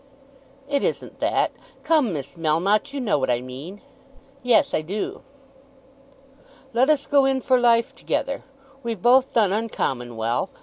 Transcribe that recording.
"It isn't that. Come, Miss Melmotte, you know what I mean." "Yes, I do." "Let us go in for life together. We've both done uncommon well.